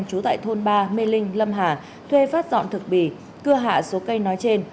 trú tại thôn ba mê linh lâm hà thuê phát dọn thực bì cưa hạ số cây nói trên